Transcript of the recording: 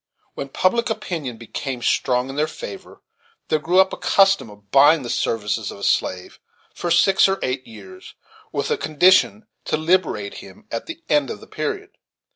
When public opinion became strong in their favor, then grew up a custom of buying the services of a slave, for six or eight years, with a condition to liberate him at the end of the period.